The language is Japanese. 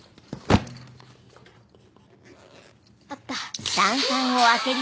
あった。